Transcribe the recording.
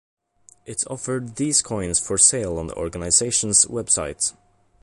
It offered these coins for sale on the organization's website.